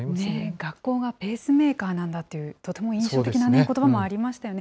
学校がペースメーカーなんだという、とても印象的なことばもありましたよね。